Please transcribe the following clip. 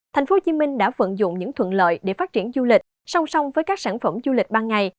tp hcm đã vận dụng những thuận lợi để phát triển du lịch song song với các sản phẩm du lịch ban ngày